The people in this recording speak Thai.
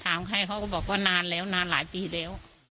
ใครเขาก็บอกว่านานแล้วนานหลายปีแล้ว